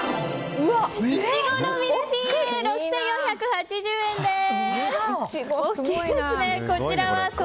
苺のミルフィーユ６４８０円です。